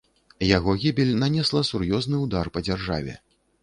Яго гібель нанесла сур'ёзны ўдар па дзяржаве.